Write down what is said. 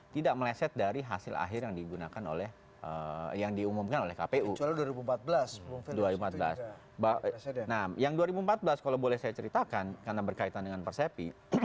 terima kasih pak bung kondi